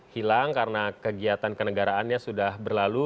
hilang karena kegiatan kenegaraannya sudah berlalu